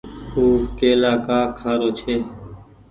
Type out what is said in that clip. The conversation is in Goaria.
او ڪيلآ ڪآ کآ رو ڇي ۔